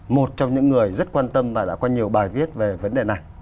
một trong những người rất quan tâm và đã có nhiều bài viết về vấn đề này